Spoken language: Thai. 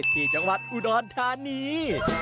ที่จังหวัดอุดรธานี